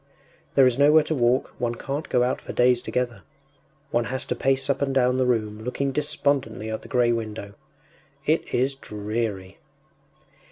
There is nowhere to walk; one can’t go out for days together; one has to pace up and down the room, looking despondently at the grey window. It is dreary!